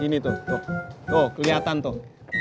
gini tuh tuh keliatan tuh